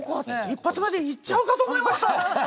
１発目でいっちゃうかと思いました！